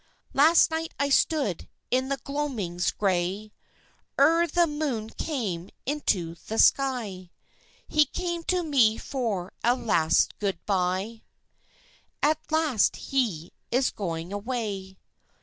Last night as I stood in the gloaming's gray, Ere the moon came into the sky, He came to me for a last good bye At last he is going away.